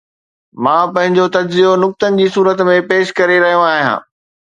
مان پنهنجو تجزيو نقطن جي صورت ۾ پيش ڪري رهيو آهيان.